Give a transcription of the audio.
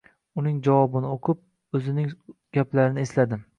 Uning javobini o`qib, o`zining gaplarini esladim